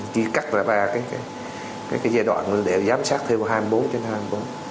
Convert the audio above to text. chỉ cắt ra ba cái cái cái cái giai đoạn để giám sát thêu hai mươi bốn trên hai mươi bốn